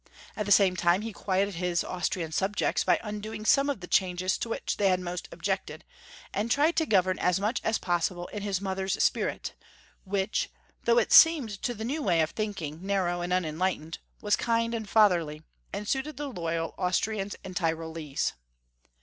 At the same time he quieted his Austrian subjects by undoing some of the changes to which they had most objected, and tried to gov ern as much as possible in his mother's spirit, which, though it seemed to the new way of think ing narrow and unenlightened, was kind and fatherly, and suited the loyal Austrians and Tyrol ese.